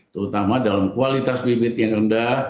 terutama dalam kualitas bibit yang rendah